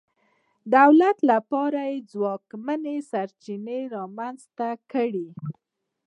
دولت لپاره یې ځواکمنې سرچینې رامنځته کړې.